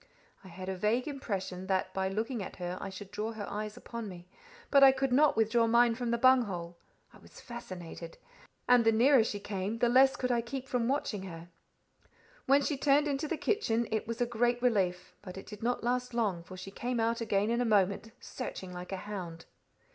I had a vague impression that by looking at her I should draw her eyes upon me; but I could not withdraw mine from the bung hole. I was fascinated; and the nearer she came, the less could I keep from watching her. When she turned into the kitchen, it was a great relief; but it did not last long, for she came out again in a moment, searching like a hound.